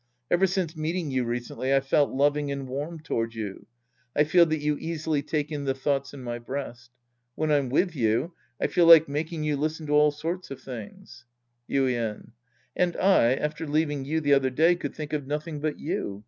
Ever since meeting you recently, I've felt loving and warm toward you. I feel that you easily take in the thoughts in my breast. When I'm with you, I feel like making you listen to all sorts of tilings. Yuien. And I, after leaving you the other day, could think of nothing but you.